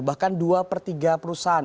bahkan dua per tiga perusahaan